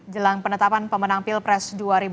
jelang penetapan pemenang pilpres dua ribu dua puluh empat